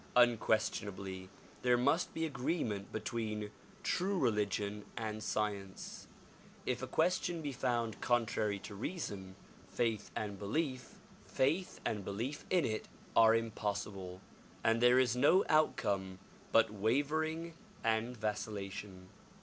Unquestionably there must be agree ment between true religion and science. If a question be found contrary to reason, faith and belief in it are impossible and there is no outcome but wavering and vacillation.